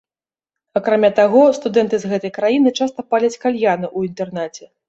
Акрамя таго, студэнты з гэтай краіны часта паляць кальяны ў інтэрнаце.